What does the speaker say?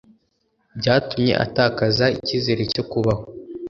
byatumye atakaza ikizere cyo kubaho